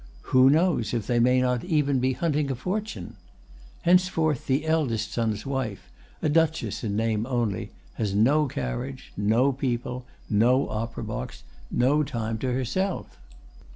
Who knows if they may not even be hunting a fortune? Henceforth the eldest son's wife, a duchess in name only, has no carriage, no people, no opera box, no time to herself.